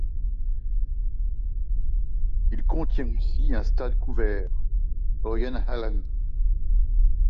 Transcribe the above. Il contient aussi un stade couvert, Høiehallen.